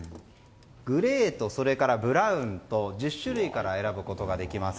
グレーとブラウンと１０種類から選ぶことができます。